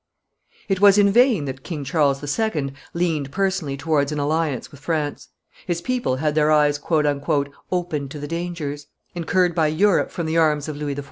It was in vain that King Charles II. leaned personally towards an alliance with France; his people had their eyes "opened to the dangers" incurred by Europe from the arms of Louis XIV.